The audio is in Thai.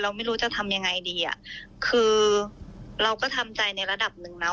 ไม่รู้จะทำยังไงดีอ่ะคือเราก็ทำใจในระดับหนึ่งนะ